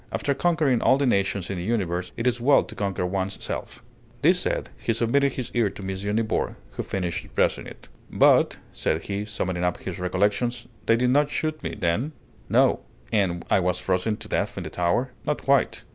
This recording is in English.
After conquering all the nations in the universe, it is well to conquer one's self." This said, he submitted his ear to M. Nibor, who finished dressing it. "But," said he, summoning up his recollections, "they did not shoot me, then?" "No." "And I wasn't frozen to death in the tower?" "Not quite."